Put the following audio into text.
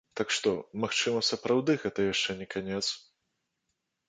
Так што, магчыма, сапраўды, гэта яшчэ не канец?